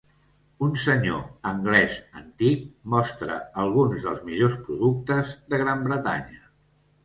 Un senyor anglès antic mostra alguns dels millors productes de Gran Bretanya.